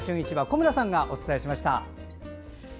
小村さんがお伝えしました。